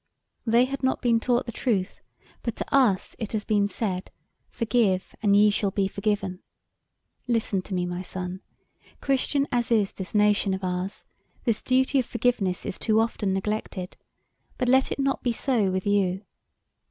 They had not been taught the truth, but to us it has been said, 'Forgive, and ye shall be forgiven.' Listen to me, my son, Christian as is this nation of ours, this duty of forgiveness is too often neglected, but let it not be so with you.